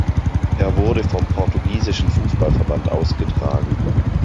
Er wurde vom portugiesischen Fußballverband ausgetragen.